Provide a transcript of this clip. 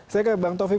saya ke bang taufik